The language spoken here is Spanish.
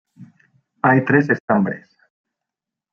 Hay tres estambres.